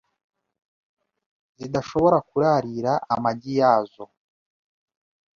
zidashobora kurarira amagi yazo,